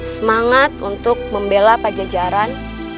semangat untuk membela pajajaran